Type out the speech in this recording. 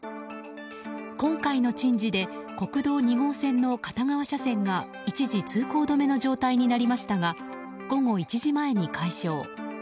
今回の珍事で国道２号線の片側車線が一時通行止めの状態になりましたが午後１時前に解消。